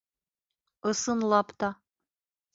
Ысынлап та.